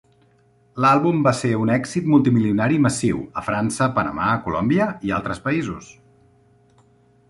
L'àlbum va ser un èxit multimilionari massiu a França, Panamà, Colòmbia i altres països.